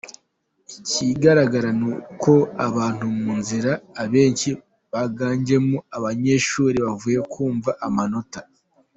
Ikigaragara ni uko abantu mu nzira abenshi biganjemo abanyeshuri bavuye kumva amanota.